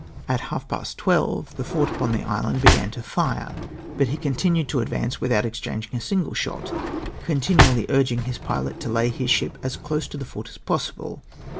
At half jjast tivelve the fort upon the island began to fire, but he continued to advance witliout exchanging a single shot, continually urging his pilot to lay his ship as close to the fort as possi1)le.